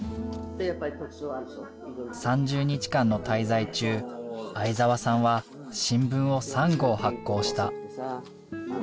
３０日間の滞在中相沢さんは新聞を３号発行した。